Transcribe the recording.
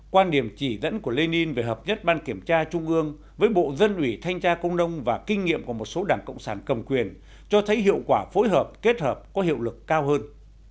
quan điểm chỉ dẫn của lenin về hợp nhất ban kiểm tra trung ương với bộ dân ủy thanh tra công nông và kinh nghiệm của một số đảng cộng sản cầm quyền cho thấy hiệu quả phối hợp kết hợp có hiệu lực cao hơn